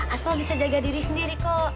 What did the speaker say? asma bisa jaga diri sendiri kok